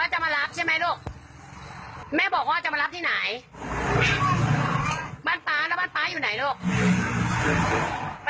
รอแล้วแม่เอารถอะไรมาส่งหนูล่ะ